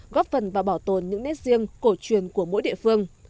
góp phần và bảo tồn những nét riêng cổ truyền của mỗi địa phương